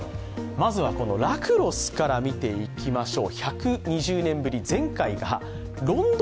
まずはラクロスから見ていきましょう。